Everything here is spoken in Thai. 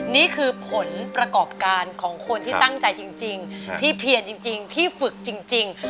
นี่คือผลประกอบการของคนที่ตั้งใจจริงที่เพียนจริงที่ฝึกจริง